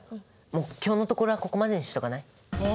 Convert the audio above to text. もう今日のところはここまでにしとかない？え？